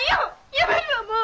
やめるわもう。